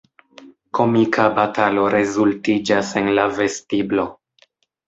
Komika batalo rezultiĝas en la vestiblo.